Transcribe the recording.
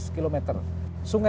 seribu seratus km sungai